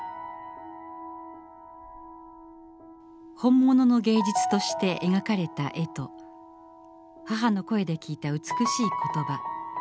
本物の芸術として描かれた絵と母の声で聞いた美しい言葉。